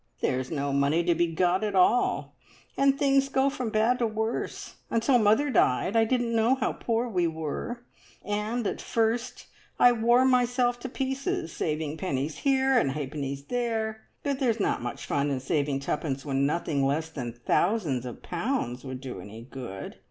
There's no money to be got at all, and things go from bad to worse. Until mother died I didn't know how poor we were, and at first I wore myself to pieces saving pennies here and halfpennies there; but there's not much fun in saving twopence when nothing less than thousands of pounds would do any good.